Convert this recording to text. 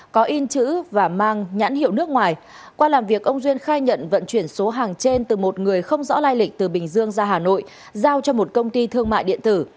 có in chữ và mang nhãn hiệu nước ngoài qua làm việc ông duyên khai nhận vận chuyển số hàng trên từ một người không rõ lai lịch từ bình dương ra hà nội giao cho một công ty thương mại điện tử